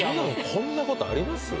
こんなことあります？